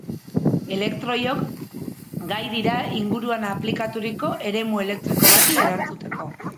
Elektroiok gai dira inguruan aplikaturiko eremu elektriko bati erantzuteko.